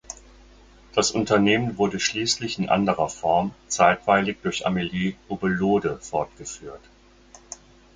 Das Unternehmen wurde schließlich in anderer Form zeitweilig durch Amelie Ubbelohde fortgeführt.